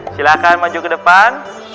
silahkan maju ke depan